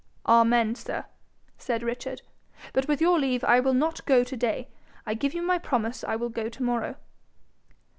'Amen, sir!' said Richard. 'But with your leave I will not go to day. I give you my promise I will go to morrow.'